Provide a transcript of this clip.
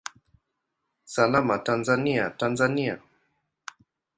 Salama Tanzania, Tanzania!